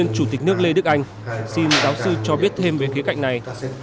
đại tướng lê đức anh xin giáo sư cho biết thêm về khía cạnh này